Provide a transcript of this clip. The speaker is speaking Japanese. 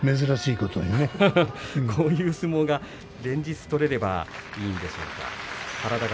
こういう相撲が連日取れればいいんでしょうが。